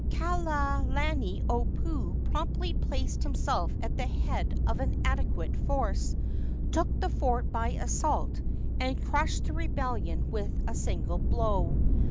Kalaniopuu promptly placed himself at the head of an adequate force, took the fort by assault, and crushed the rebellion with a single blow.